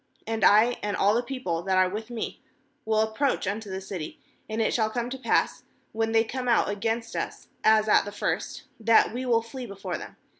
6And I, and all the people that are with me, will approach unto the city; and it shall come to pass, when they come out against us, as at the first, that we will flee before them.